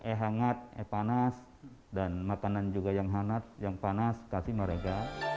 e hangat e panas dan makanan juga yang hangat yang panas kasih mereka